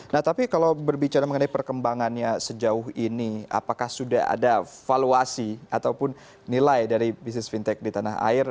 nah tapi kalau berbicara mengenai perkembangannya sejauh ini apakah sudah ada valuasi ataupun nilai dari bisnis fintech di tanah air